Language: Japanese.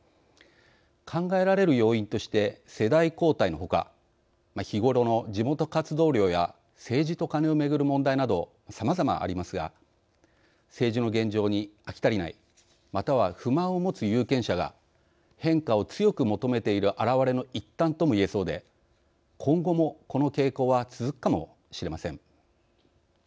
考えられる要因として世代交代のほか日頃の地元活動量や政治とカネをめぐる問題などさまざまありますが政治の現状に飽き足りないまたは不満を持つ有権者が変化を強く求めている表れの一端とも言えそうで今後もこの傾向は続くかもしれません。